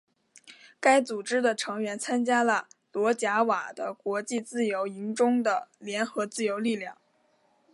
该组织的成员参加了罗贾瓦的国际自由营中的联合自由力量。